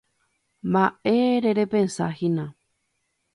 Mba'ére repensahína.